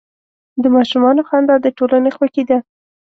د ماشومانو خندا د ټولنې خوښي ده.